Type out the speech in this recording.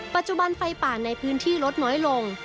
ปัจจุบันไฟป่าในพื้นที่ลดน้อยลง